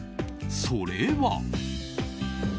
それは。